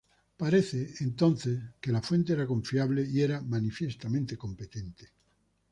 Parece, entonces, que la fuente era confiable y era manifiestamente competente.